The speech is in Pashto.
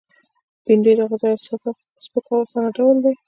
بېنډۍ د غذا یو سپک او آسانه ډول دی